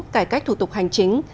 cải cách thủ tục hành chính